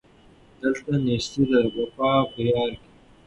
دلته نېستي ده وفا په یار کي